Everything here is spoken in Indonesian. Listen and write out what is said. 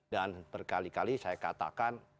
dan berkali kali saya katakan